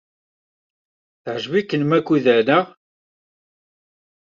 Teɛjeb-iken Makuda, naɣ?